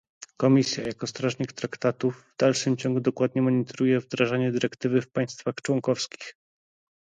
Komisja, jako strażnik traktatów, w dalszym ciągu dokładnie monitoruje wdrażanie dyrektywy w państwach członkowskich